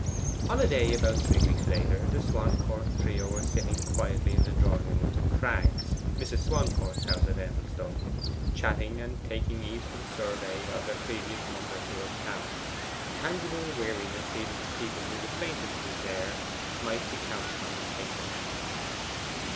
On a day about three weeks later, the Swancourt trio were sitting quietly in the drawing room of The Crags, Mrs. Swancourt's house at Endelstow, chatting, and taking easeful survey of their previous month or two of town a tangible weariness even to people whose acquaintances there might be counted on the fingers.